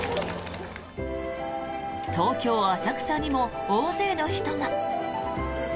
東京・浅草にも大勢の人が。